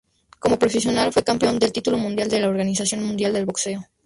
Como profesional fue campeón del título mundial de la Organización Mundial de Boxeo.